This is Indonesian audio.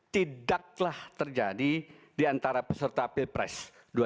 tidaklah terjadi diantara peserta pilpres dua ribu sembilan belas